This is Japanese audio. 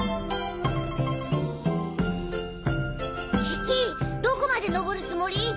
キキどこまで上るつもり？